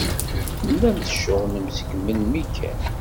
Tellam tceɣlem seg melmi kan?